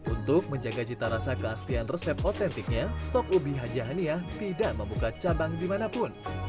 untuk menjaga cita rasa keaslian resep otentiknya sok ubi hajahania tidak membuka cabang dimanapun